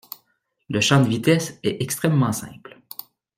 le champ de vitesse est extrêmement simple